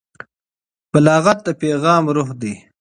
بلاغت د پیغام روح دی.